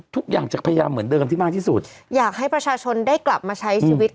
ทุกอย่างจะพยายามเหมือนเดิมที่มากที่สุดอยากให้ประชาชนได้กลับมาใช้ชีวิต